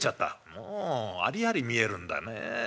「もうありあり見えるんだね。